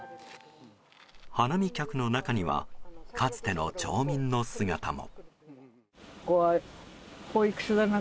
花見客の中にはかつての町民の姿も。